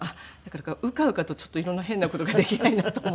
うかうかとちょっと色んな変な事ができないなと思ってですね。